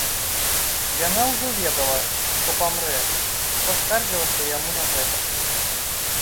Яна ўжо ведала, што памрэ, і паскардзілася яму на гэта.